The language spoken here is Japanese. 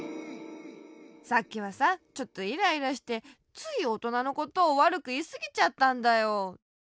さっきはさちょっとイライラしてついおとなのことをわるくいいすぎちゃったんだよ。